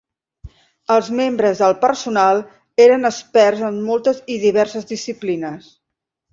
Els membres del personal eren experts en moltes i diverses disciplines.